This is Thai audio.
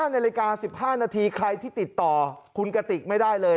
นาฬิกา๑๕นาทีใครที่ติดต่อคุณกติกไม่ได้เลย